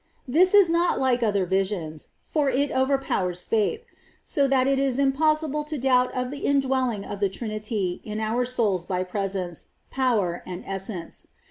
This is not like other visions, for it overpowers faith ; so that it is impossible to doubt of the in dwelling of the Trinity in our souls by presence, power, and essence.